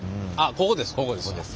ここです。